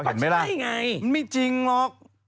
เห็นไหมล่ะมันไม่จริงหรอก